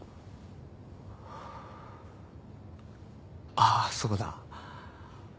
ああそうだ。